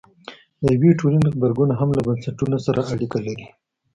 د یوې ټولنې غبرګون هم له بنسټونو سره اړیکه لري.